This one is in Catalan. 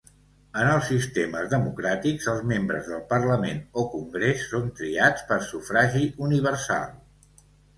En els sistemes democràtics els membres del parlament o congrés són triats per sufragi universal.